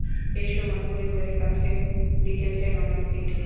এ সময় পরিবারের কাছে লিখেছেন অনেক চিঠি।